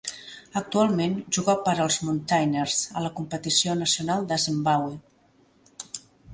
Actualment juga per als Mountaineers a la competició nacional de Zimbabwe.